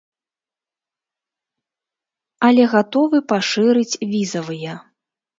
Але гатовы пашырыць візавыя.